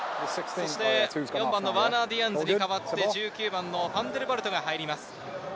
そして４番のワーナー・ディアンズに代わって１９番のファンデルヴァルトが入ります。